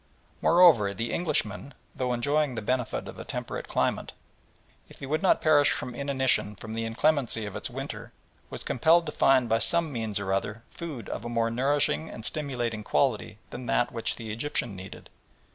Moreover, the Englishman, though enjoying the benefit of a temperate climate, if he would not perish from inanition from the inclemency of its winter, was compelled to find by some means or other food of a more nourishing and stimulating quality than that which the Egyptian needed.